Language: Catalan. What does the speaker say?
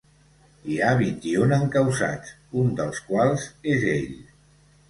Hi ha vint-i-un encausats, un dels quals és ell.